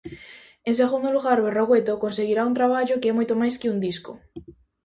En segundo lugar, Berrogüeto conseguirá un traballo que é moito máis que un disco.